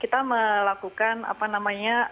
kita melakukan apa namanya